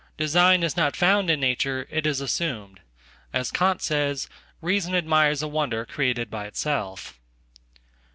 Design is not found in nature; it isassumed. As Kant says, reason admires a wonder created by itself.